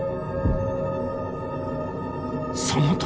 その時。